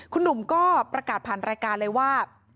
คุณหนุ่มก็ประกาศผ่านรายการเลยว่า